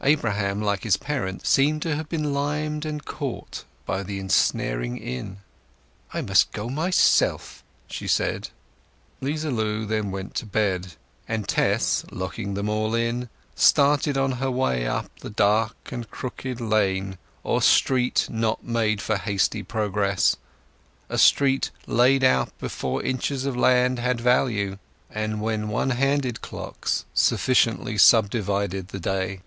Abraham, like his parents, seemed to have been limed and caught by the ensnaring inn. "I must go myself," she said. 'Liza Lu then went to bed, and Tess, locking them all in, started on her way up the dark and crooked lane or street not made for hasty progress; a street laid out before inches of land had value, and when one handed clocks sufficiently subdivided the day.